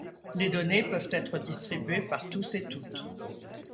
Les données peuvent être distribuées par tous et toutes.